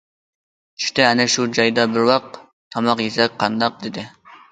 چۈشتە ئەنە شۇ جايدا بىر ۋاق تاماق يېسەك قانداق؟ دېدى.